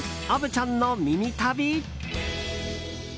虻ちゃんのミニ旅。